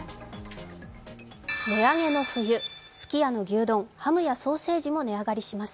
値上げの冬、すき家の牛丼ハムやソーセージも値上がりします。